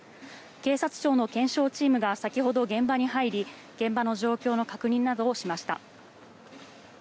警察庁の検証チームが先ほど現場に入り現場の状況の確認などをしました。